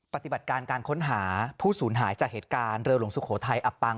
ปฏิบัติการการค้นหาผู้สูญหายจากเหตุการณ์เรือหลวงสุโขทัยอับปัง